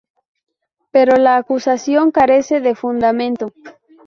Pero la acusación carece de fundamento.